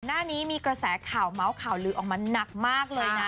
หน้านี้มีกระแสข่าวเมาส์ข่าวลือออกมาหนักมากเลยนะ